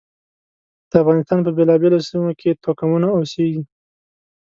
د افغانستان په بېلابېلو سیمو کې توکمونه اوسېږي.